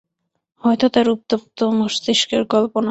হয়তো তাঁর উত্তপ্ত মস্তিষ্কের কল্পনা।